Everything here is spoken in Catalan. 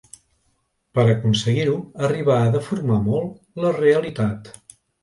Per aconseguir-ho arribà a deformar molt la realitat.